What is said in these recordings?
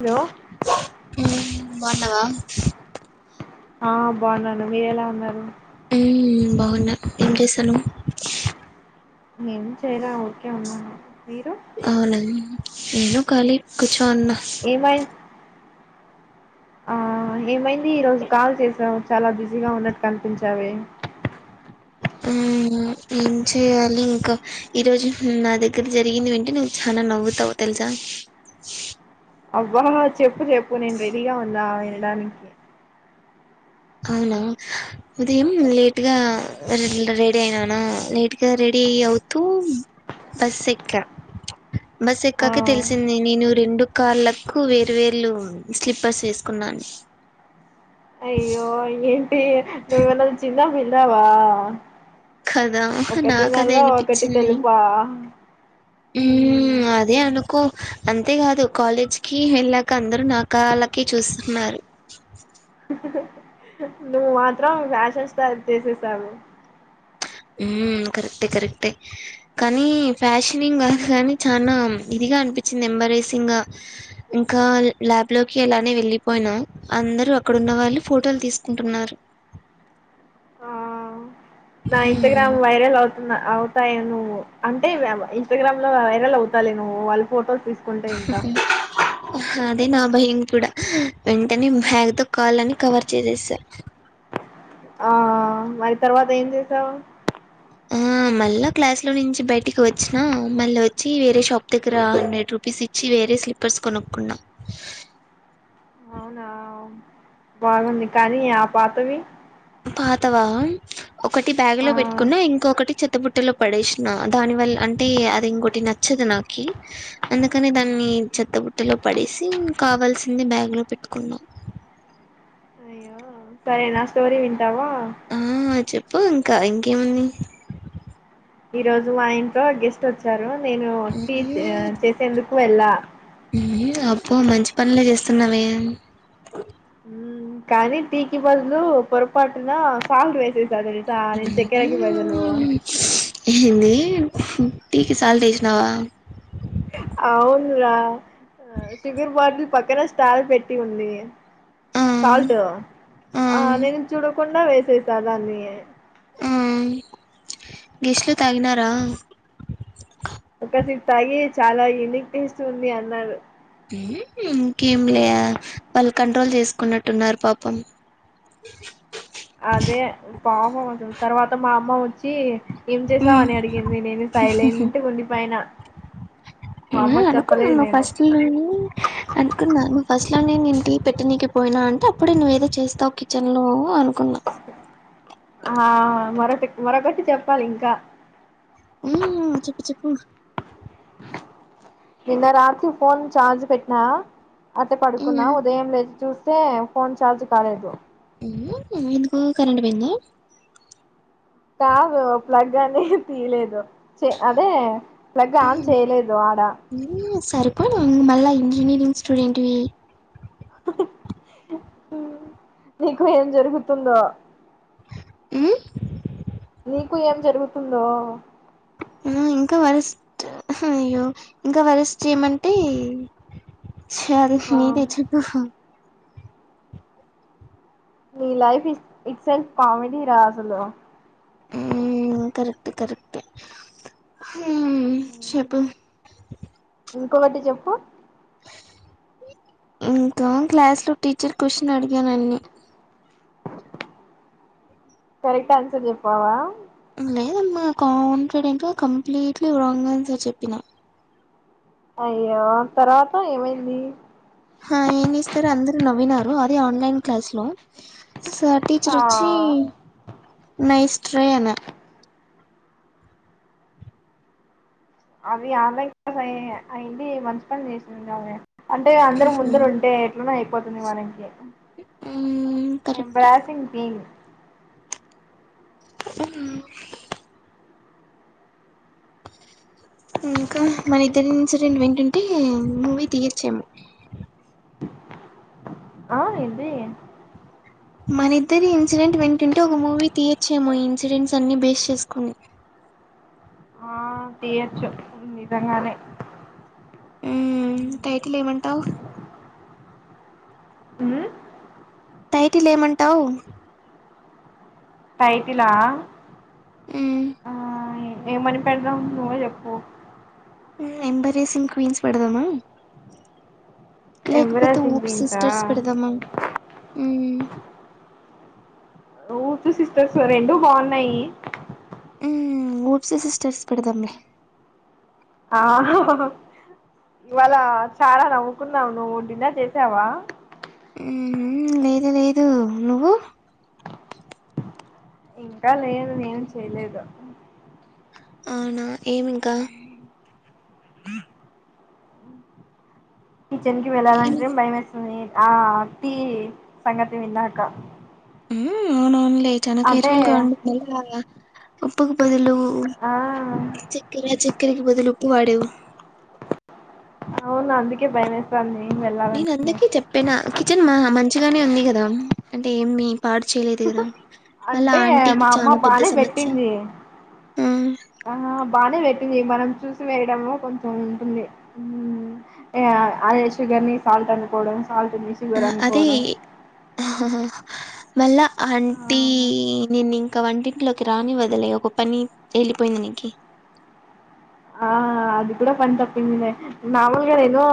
Hello బన్నావా ఆ బాగున్నాను మీరెలా ఉన్నారు ఉమ్ బాగున్నా ఏం చేస్తున్నావు ఏం చేయాలా ఊరికే వున్నాను మీరు అవున నేను కాళీ కుచ్ అన్న ఏమై ఆ ఏమైంది ఈరోజు కాల్ చేసావు చాలా బిజీగా ఉన్నట్టు కనిపించావే ఆ ఏం చేయాలి ఇంకా ఈరోజు నా దగ్గర జరిగింది వింటే నువ్వు చాలా నవ్వుతావు తెలుసా అవబా చెప్పు చెప్పు నేను రెడిగా ఉన్న వినడానికి అవునా ఉదయం లేట్గా రెడీ అయినానా లేట్గా రెడీ అవుతూ బస్ ఎక్కా బస్ ఆ ఎక్కాక తెలిసింది నేను రెండు కార్లకు వేర్వేర్ళు స్లీపర్స్ వేసుకున్నాను అయ్యో అయ్య టి నువ్వు ఏం అన చిన్నపి పిల్ల వా కదా నాకదే ఒకటి అనిపిచింది తెలుపా మ్మ్. ఉమ్ అదే అను కు అంతేకాదు కాలేజ్ కి వెళ్ళాక అందరు నాకాళ్ళకి చూస్తున్నారు నువ్వు మాత్రం ఫ్యాషన్ స్టార్ట్ చేసేసావు ఉమ్ కరెక్టే కరెక్టే కానీ ఫ్యాషనింగ్ కాదు కానీ చానా ఇదిగా అనిపించింది ఎంబారిసింగ్గా ఇంకా ల్యాబ్ లోకి ఎలానే వెళ్ళిపోయినా అందరు అక్కడున్న వాళ్ళు ఫోటోలు తీసుకుంటున్నారు ఆ నా మ్మ్ ఇన్స్టాగ్రామ్ వైరల్ అవ్ న అవుతాయి నువ్వు అంటే ఇన్స్టాగ్రామ్ లో వైరల్ అవుతా లే నువ్వు వాళ్ళు ఫొటోస్ తీసుకుంటే ఇంకా అదే నా భయం కూడా వెంటనే బ్యాగ్ తో కాళ్ళని కవర్ చేసేసా ఆ మరి తర్వాత ఏం చేసావు ఆ మళ్ళా క్లాస్ లో నుంచి బయటికి వచ్చిన మళ్ళీ వచ్చి వేరే షాప్ దగ్గర హండ్రెడ్ రూపీస్ ఇచ్చి వేరే స్లిప్పర్స్ కొనుక్కున్నా అవునా బాగుంది కానీ ఆ పాతవి పాతవా ఒకటి బ్యాగ్ ఆ లో పెట్టుకున్నా ఇంకొకటి చెత్తబుట్టలో పడేసిన దానివల్ అంటే అది ఇంకోటి నచ్చదు నాకి అందుకని దాన్ని చెత్తబుట్టలో పడేసి కావాల్సింది బ్యాగ్ లో పెట్టుకున్నా అయ్యో సరే నా స్టోరీ వింటావా ఆ చెప్పు ఇంకా ఇంకేముంది ఈ రోజు మా ఇంట్లో గెస్ట్ వచ్చారు నేను టీ చే-చేసేందుకు వెళ్ళ అబ్బా మంచి పనులే చేస్తున్నావే మ్ కానీ టీకి బదులు పొరపాటున సాల్ట్ వేసేస్ బేబి ఆ ఏంది ఉంహు టీకి సాల్ట్ ఎసినావా అవును రా శివిర్ బటల్ పక్కన స్టాల్ పెట్టి ఉంది ఆ సాల్ట్ ఆ నేను చూడ కుండ వేసేసా దాన్ని ఉమ్ గెస్ట్లు తాగినారా ఒక సిప్ తాగి చాలా యూనిక్ టేస్ట్ ఉంది అన్నారు ఉమ్ హు ఇంకేం లే వాళ్ళు కంట్రోల్ చేసుకున్నట్టున్నారు పాపం అదే పాపమసలు తర్వాత మా అమ్మ వచ్చి ఏం చేసావ్ ఉమ్ అని అడిగింది నేను ఉ హు హు సైలెంట్గా ఉండిపోయిన మా నేను అమ్మకు అనుకున్నా చెప్పలేదు నువ్ నేను ఫస్ట్ లోనే అనుకున్నాను ఫస్ట్ లో నే నేను ఇంటి పెట్టనీకి పోయినా అంటే అప్పుడే నువ్వు ఏదో చేస్తావు కిచెన్ లో అనుకున్నా ఆ మొరొక మరొకటి చెప్పాలి ఇంకా ఉమ్ చెప్పు చెప్పు నిన్న రాత్రి ఫోన్ చార్జ్ పెట్టినా అట్లే పడుకున్నా మ్మ్ ఉదయం లేచి చూస్ స్తే ఫోన్ ఛార్జ్ కాలేదు ఎందుకు కరెంట్ పోయింద కాదు ప్లగ్ అని తీయలేదు చె అదే ప్లగ్ ఆన్ చేయలేదు ఆడ సరిపోన మళ్ళా ఇంజనీరింగ్ స్టూడెంట్వి నీకు ఏం జరుగుతుందో ఉమ్ నీకు ఏం జరుగుతుందో ఉమ్ ఇంకా వరస్ట్ అయ్యో ఇంకా వరస్ట్ ఏమంటే ఆ చాల ఆ మీదచ్చ నీ life it itself comedy రా అసలు మ్మ్, కరెక్ట్ కరెక్టే ఆ చెప్పు ఇంకొకటి చెప్పు ఇంకా క్లాస్ లో టీచర్ క్వశ్చన్ అడిగానన్ని కరెక్ట్ ఆన్సర్ చెప్పవా? లేదమ్మా కాన్ఫిడెంట్ గా కంప్లీట్లీ రాంగ్ ఆన్సర్ చెప్పినా అయ్యో తర్వాత ఏమైంది? ఆ ఏం ఇస్తారు అందరూ నవ్వినారు అదె ఆన్లైన్ క్లాస్ లో సార్ టీచర్ ఆ వచ్చి నైస్ ట్రేను అవి ఆన్లైన్ అయింది మంచి పని చేసింది ఆమె అంటే అందరం ముందురుంటే ఎట్లనో అయి పోతుంది మనానికె ఉ కరెక్టే థింగ్ ఉమ్ ఇంకా మన ఇద్దరి ఇన్సిడెంట్ వింటుంటే మూవీ తీయోచ్చేమో ఆ ఏంది ఏం మనిద్దరి ఇన్సిడెంట్ వింటుంటే ఒక మూవీ తీయోచ్చేమో ఈ ఇన్సిడెంట్స్ అన్ని బేస్ చేసుకోని ఆ తీయచ్చు నిజంగానే ఉమ్ టైటిల్ ఏమంటావ్? ఉ టైటిల్ ఏమంటావ్ టైటిలా హ్మ్. ఆ ఎ ఏమని పెడదాం నువ్వే చెప్పు ఉమ్ ఎంబరేసింగ్ క్వీన్స్ అని పెడదామా లేకపోతే ఎంబరాసింగ్ ఊప్ క్వీన్సా సిస్టర్స్ పెడదామ ఉమ్ ఊతూ సిస్టర్స్ ఇవి రెండూ బాగున్నాయి. ఉ ఊప్సీ సిస్టర్స్ పెడదాంలే ఆ హా హా హా ఇవాళ చాలా నవ్వుకున్నావు నువ్వు డిన్నర్ చేసావా ఏ లేదు నువ్ ఇంకా లేదు నేను చేయలేదు నా ఏమి ఇంకా కిచెన్ కి వెళ్ళాలంటే హ్మ్ భయం వేస్ అ ఏ ఆ టీ సంగతి విన్నాకా ఉ తే చానా కేర్ఫుల్ గా ఉండు ఉను లాల ఉప్పుకు బదులు ఆ చక్కెర చెక్ కేకు బదులు ఉప్పు వాడేవు అవునా అందుకే భయమేస్తాంది నేను వెళ్ళాలని అందుకే చెప్పినా కిచెన్ మహ మంచిగానే ఉంది యదా అంటే ఏమి పాడు చేయలేదు కదా మళ్ళా అంటే మా ఆంటీకి అమ్మ చాలా పెద్ద బానే సమస్య పెట్టింది ఉ ఆ బానే పెట్టింది మనం చూసి వేయడంలో కొంచెం ఉంటుంది ఉ ఆ అదే షుగర్ ని సాల్ట్ అనుకోవడం సాల్ట్ ని ఆ షుగర్ అదే అనుకోవడం హా హా హా హా మళ్ళా అంటీ నేను ఇం కా వంటింట్లోకి రానివ్వదులే ఒక పని ఏళ్ళిపోయింది నీకి ఆ అది కూడా పని తప్పిందిమే మామూలుగా నేను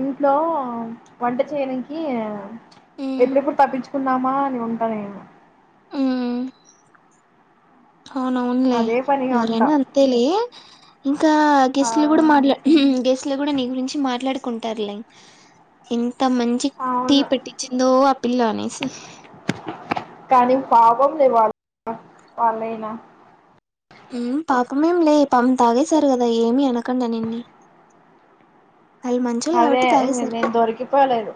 ఇంట్లో వంట చేయనీకి హ్మ్ ఎప్పుడెప్పుడు‌ తప్పించుకుందామా అని ఉం టా నేను హ్మ్ అవునవునులే అదే పనిగా ఉంటా ఎవరైనా అంతేలే ఇంకా ఆ గెస్ట్లు కూడా మాట్లా ఉహు గెస్ట్ తిరుగుడు నీ గురించి మాట్లాడుకుంటారులే ఇం త మంచి టీ అవును పెట్టించిందో ఆపిల్ల అనేసి కానీ పాపంలే వాళ్ళు వాళ్ళైనా హ్మ్ పాపమేం లే పాం తాగేశారు కదా ఏమి అనకండా నిన్ని వాళ్ళు మంచోళ్ళు అదే కాబట్టి తాగేశారు నేను దొరికిపోలేదు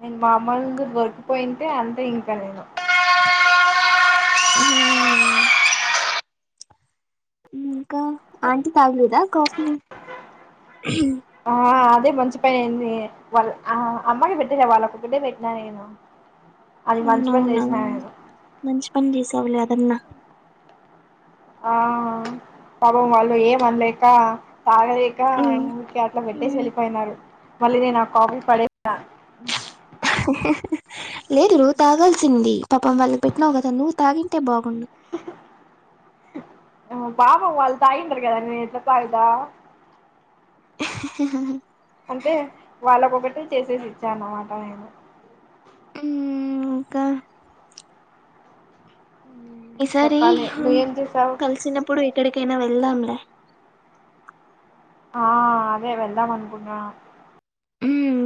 నేను మామూల్ దు గొటుపోయింటే అంతే ఇంకా నేను హ్మ్ ఇంకా ఆంటీ తాగలేదా కాఫీ ఆద్ అదే మంచి పని అయ్యిందె వాళ్ళ ఆ అమ్మాకి పెట్టినా వాళ్లకి ఒకటే పెట్టినా నేను అది మంచి పని అవునావునా చేసినా నేను మంచి పని చేశావులే అదన్నా ఆ పాపం వాళ్ళు ఏమన్ లేక తాగలేక ఉమ్, ఊకే అట్లా పెట్టేసి ఉమ్. వెళ్ళిపోయినారు మళ్ళీ నేను ఆ కాఫీ పడేసా లేదు నువ్వు తాగాల్సింది పాపం వాళ్ళుకీ పెట్టినావు కదా నువ్వు తాగింటే బాగుండు పాపం వాళ్లు తాగింటారు కదా నేనెట్లా తాగుతా [inaudible] అంతే వాళ్లకోక టీ చేసేసి ఇచ్చాను అన్నమాట నేను ఇంకా ఈసారి చెప్పాలి నువ్వేం చేసావు కలిసినప్పుడు ఎక్కడికైనా వెళ్దాం లే ఆ అదే వెళ్దాం అనుకున్నా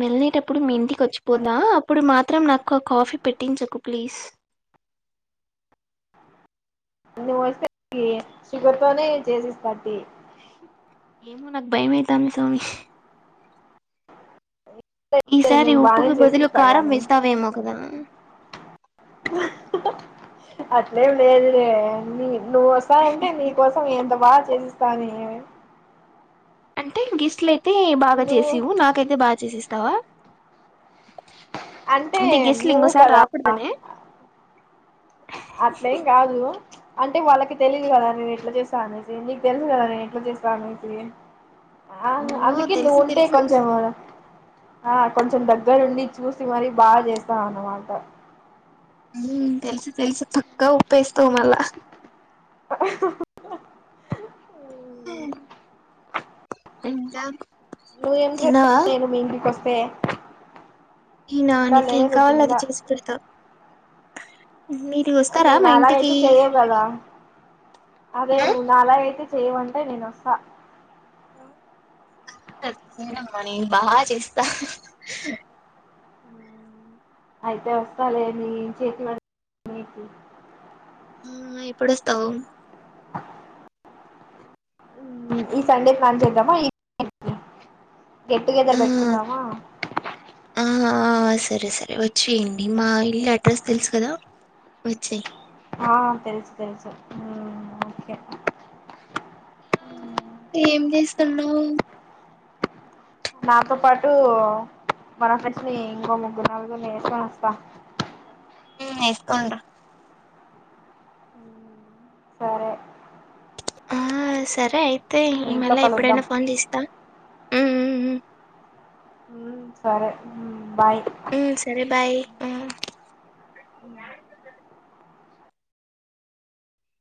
వెళ్ళలేటప్పుడు మీ ఇంటి కొచ్చిపోతా అప్పుడు మా త్రం నాకు ఆ కాఫీ పెట్టించకు ప్లీజ్ నువ్వొస్తే కి షుగర్తోనే చేసిస్తా టి ఏమో నాకు భయమైతాంది సామి ఈసారి నేను బానే ఉప్పుకి బదులు చేసిస్తా కారం గానీ చేస్తావేమో కదా అట్లేం లేదులే అన్ని నువ్వు వస్తాంటే నీకోసం ఎంత బాగా చేసిస్తామే అంటే గెస్ట్లు అయితే బాగా నువ్వు చేసేవు నాకైతే బాగా చేసి ఇస్తావా తావా అంటే నువ్వు ఇంకోసారి కదా అ రాకూడదనే ఆట్ల ఏం కాదు అంటే వాళ్ళకి తెలీదు కదా నేను ఎట్లా చేస్తాను అనేసి నీకు తెలుసు కదా నేను ఎట్లా చేస్తా అనేసీ. ఆన్ ఓ అందుకే నువ్వు తెలుసు ఉంటే తెలుసు కొంచెం ఆ కొంచెం దగ్గరుండి చూసి మరీ బాగా చేస్తాం అన్న మాట ఉమ్ తెలుసు తెలుసు పక్క ఉప్పేస్తావు మల్ల [inaudible] [inaudible] ఇంకా నువ్వేం తిన్నావా చేస్తున్నావ్ నేను మీ ఇంటికి వస్తు [inaudible] ఈనా నీకేం కావాలో అది చేసి పెడతా మీరు వస్తారా నువ్వు మా ఇంటికి నలాగయితే చెయువు కదా అదే నువ్వు నాలా అయితే చ సేవంటై నేను వాసా ఇన్ మ్మా నీ బాగా చేస్తా అయితే వస్తాలే నీ చేతి వం నీకి ఆ ఎప్పుడు అస్తావు ఉమ్ ఈ సండే ప్లాన్ చేద్దామా ఈ కి గెట్ టు ఆ గెదర్ పెట్టుకుందామా ఆ సరే సరే వచ్చేయండి మా ఇల్లు అడ్రస్ తెలుసు కదా వచ్చేయ్ ఆ తెలుసు తెలుసు ఉమ్ ఓకే ఏం చేస్తున్నావ్ నాతో పాటూ మన ఫ్రెండ్స్నీ ఇంకో ముగ్గురు నలుగురిని ఏసుకుని అస్తా ఊ ఎస్కుండ్ర సరే ఆ సరే ఐ తే మీ ఈ మళ ఇంట్లో కలుద్దాం ఎప్పుడైనా ఫోన్ చేస్తా ఊ ఊ ఊ ఉ సరే ఊ బాయ్ ఉమ్ సరే బాయ్ ఉమ్